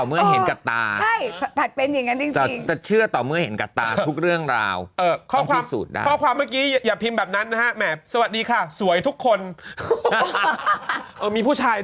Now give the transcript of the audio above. มันต้องจบเรียบสารมาก